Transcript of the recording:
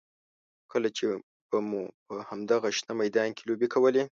کله چې به مو په همدغه شنه میدان کې لوبې کولې.